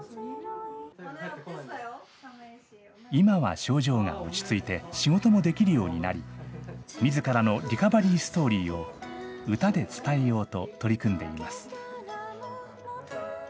今は症状が落ち着いて仕事もできるようになり、みずからのリカバリーストーリーを歌で伝えようと取り組んでいます。